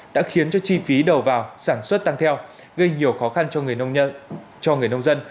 đã khiến cho chi phí đầu vào sản xuất tăng theo gây nhiều khó khăn cho người nông dân